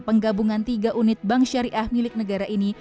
penggabungan tiga unit bank syariah milik negara ini